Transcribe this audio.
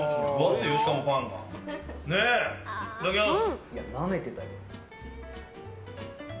いただきます。